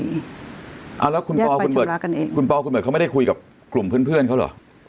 แยกไปชำระกันเองคุณปคุณหมดเขาไม่ได้คุยกับกลุ่มเพื่อนเขาหรือ